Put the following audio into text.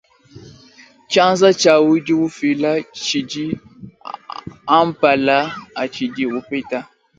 Tshianza tshia udi ufila tshidi ampala atshidi upeta.